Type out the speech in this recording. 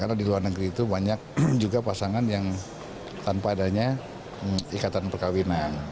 karena di luar negeri itu banyak juga pasangan yang tanpa adanya ikatan perkawinan